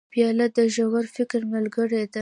پیاله د ژور فکر ملګرې ده.